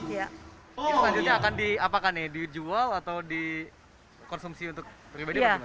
ini selanjutnya akan diapakan nih dijual atau dikonsumsi untuk pribadi